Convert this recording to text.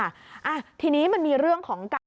อ่ะทีนี้มันมีเรื่องของการ